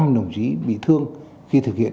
đồng chí bị thương khi thực hiện